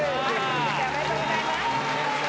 土井先生おめでとうございます。